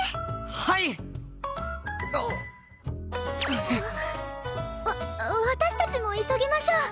はい！わ私たちも急ぎましょう！